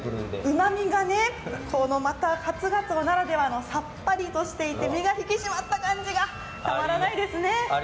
うまみがね、また初がつおならではのさっぱりとしていて、身が引き締まった感じがたまらないですね。